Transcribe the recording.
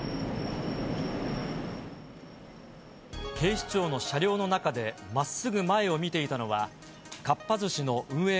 警視庁の車両の中で、まっすぐ前を見ていたのは、かっぱ寿司の運営